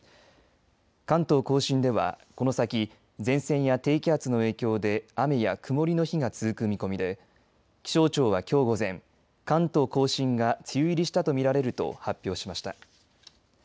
関東甲信ではこの先前線や低気圧の影響で雨や曇りの日が続く見込みで気象庁は、きょう午前関東甲信が梅雨入りしたと見られると発表しました。